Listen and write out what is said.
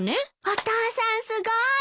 お父さんすごい！